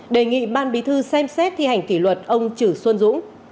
đề nghị ban bí thư xem xét thi hành kỷ luật ông chử xuân dũng